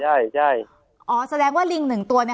ใช่ใช่อ๋อแสดงว่าลิงหนึ่งตัวเนี้ย